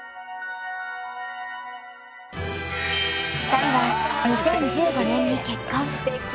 ２人は２０１５年に結婚。